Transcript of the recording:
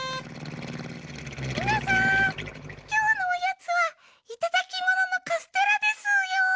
みなさんきょうのおやつはいただきもののカステラでスーよ。